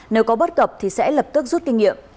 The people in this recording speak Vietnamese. nếu có bất cập thì sẽ lập tức rút kinh nghiệm